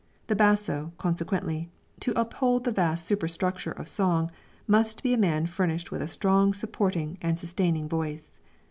The basso, consequently, to uphold the vast superstructure of song, must be a man furnished with a strong supporting and sustaining voice.